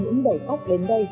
những đẩy sóc đến đây